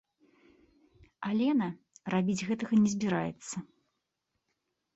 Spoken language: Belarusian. Алена, рабіць гэтага не збіраецца.